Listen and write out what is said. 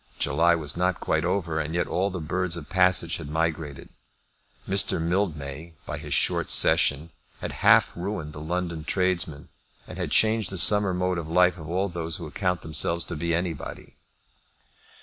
July was not quite over, and yet all the birds of passage had migrated. Mr. Mildmay, by his short session, had half ruined the London tradesmen, and had changed the summer mode of life of all those who account themselves to be anybody.